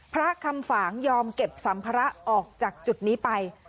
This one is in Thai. พระคำฝางยอมเก็บสัมภาระออกจากจุดนี้ไป